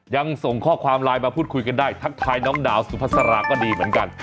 ยังส่งข้อความไลน์มาพูดคุยกันได้ทักทายน้องดาวสุภาษาราก็ดีเหมือนกัน